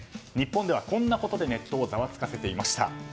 日本ではこんなことでネットをざわつかせていました。